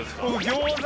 餃子